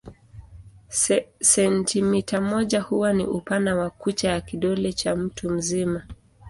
Sentimita moja huwa ni upana wa kucha ya kidole cha mtu mzima.